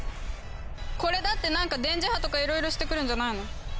これだってなんかでんじはとかいろいろしてくるんじゃないの？